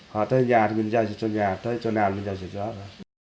họ tới nhà thì mình giao dịch cho nhà tới chỗ nào thì mình giao dịch cho đó